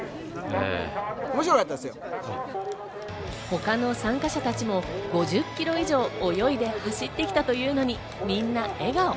他の参加者たちも５０キロ以上泳いで、走ってきたというのに、みんな笑顔。